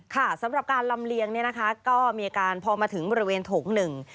ค่ะสำหรับการลำเลียงก็มีอาการพอมาถึงบริเวณถง๑